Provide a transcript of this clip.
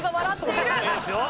いいですよ。